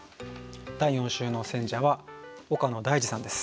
第４週の選者は岡野大嗣さんです。